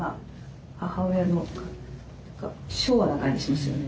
母親の昭和な感じしますよね。